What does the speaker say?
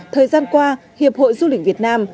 thời gian qua hiệp hội du lịch việt nam